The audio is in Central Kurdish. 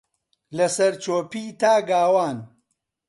لەسەرچۆپی تا گاوان